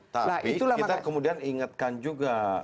tapi kita kemudian ingatkan juga